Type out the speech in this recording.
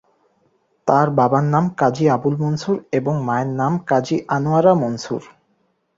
তার বাবার নাম কাজী আবুল মনসুর এবং মায়ের নাম কাজী আনোয়ারা মনসুর।